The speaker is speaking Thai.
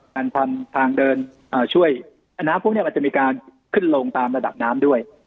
การทำทางเดินช่วยน้ำพวกนี้มันจะมีการขึ้นลงตามระดับน้ำด้วย